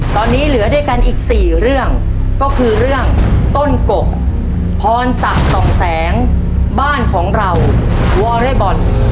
ตอนนี้เหลือด้วยกันอีก๔เรื่องก็คือเรื่องต้นกกพรศักดิ์ส่องแสงบ้านของเราวอเรย์บอล